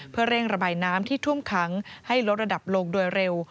เพื่อเร่งระบายน้ำที่ท่วมขังให้ลดระดับลงโดยเร็ว